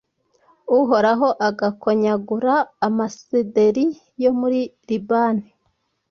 uhoraho agakonyagura amasederi yo muri libani